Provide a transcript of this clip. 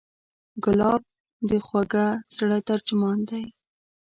ګلاب د خوږه زړه ترجمان دی.